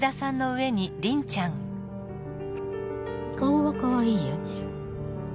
顔はかわいいよね。